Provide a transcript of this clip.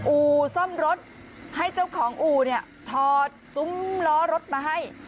อู่ซ่อมรถให้เจ้าของอู่เนี่ยถอดซุ้มล้อรถมาให้